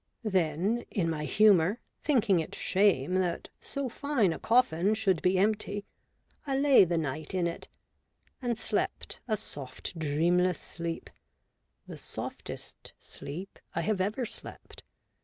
Then, in my humour, thinking it shame that so fine a coffin should be empty, I lay the night in it, and slept a soft, dreamless sleep— the softest sleep I have ever slept.